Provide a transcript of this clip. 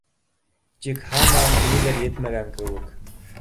Тик һаман ниҙер етмәгән кеүек.